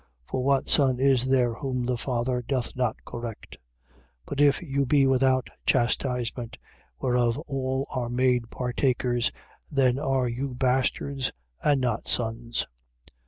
For what son is there whom the father doth not correct? 12:8. But if you be without chastisement, whereof all are made partakers, then are you bastards and not sons.